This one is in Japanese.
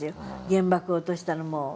原爆を落としたのも。